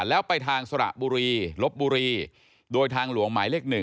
แล้วไปทางสระบุรีลบบุรีโดยทางหลวงหมายเลข๑